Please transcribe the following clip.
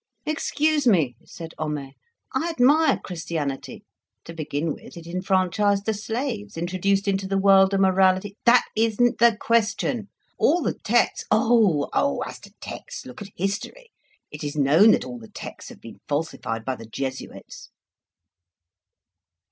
"Excuse me," said Homais; "I admire Christianity. To begin with, it enfranchised the slaves, introduced into the world a morality " "That isn't the question. All the texts " "Oh! oh! As to texts, look at history; it, is known that all the texts have been falsified by the Jesuits."